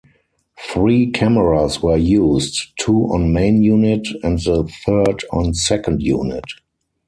Three cameras were used, two on main unit and the third on second unit.